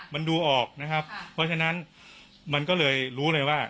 มันดูออกนะครับเพราะฉะนั้นมันก็เลยรู้เลยว่า